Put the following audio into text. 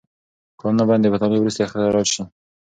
کانونه باید د مطالعې وروسته استخراج شي.